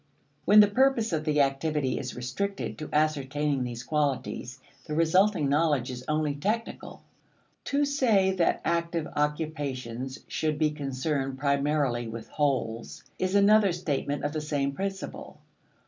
When the purpose of the activity is restricted to ascertaining these qualities, the resulting knowledge is only technical. To say that active occupations should be concerned primarily with wholes is another statement of the same principle.